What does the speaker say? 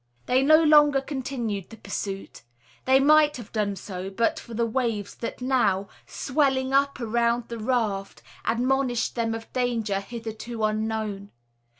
They no longer continued the pursuit. They might have done so, but for the waves that now, swelling up around the raft, admonished them of a danger hitherto unknown.